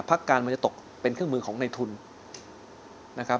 พักกันมันจะตกมาตรงประเทศการ